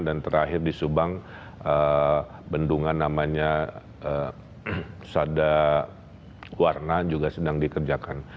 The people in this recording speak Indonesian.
dan terakhir di subang bendungan namanya sada warna juga sedang dikerjakan